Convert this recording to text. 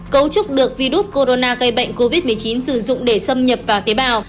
cấu trúc được virus corona gây bệnh covid một mươi chín sử dụng để xâm nhập vào tế bào